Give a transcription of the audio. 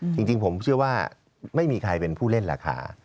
จริงผมเชื่อว่าไม่มีใครเป็นผู้เล่นราคา